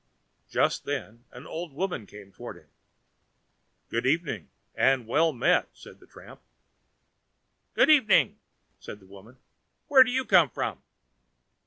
Just then an old woman came toward him. "Good evening, and well met!" said the tramp. "Good evening," said the woman. "Where do you come from?"